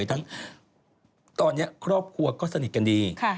ทั้งตอนนี้ครอบครัวก็สนิทกันดี